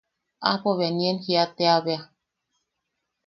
Aapo bea nien jia tea bea.